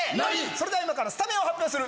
それでは今からスタメンを発表する。